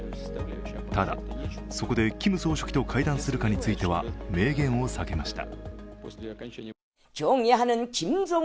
ただ、そこでキム総書記と会談するかについては明言を避けました。